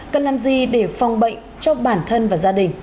cần làm gì để phòng bệnh cho bản thân và gia đình